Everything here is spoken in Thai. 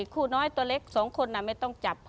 ครับ